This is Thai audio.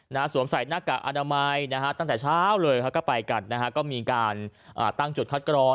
สวมใส่หน้ากากอนามัยนะฮะตั้งแต่เช้าเลยเขาก็ไปกันนะฮะก็มีการอ่าตั้งจุดคัดกรอง